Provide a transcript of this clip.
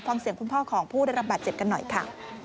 ฟังเสียงคุณพ่อของผู้ได้รับบาดเจ็บกันหน่อยค่ะ